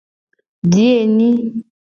Biye nyi.